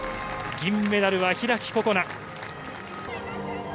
銀メダルは開心那。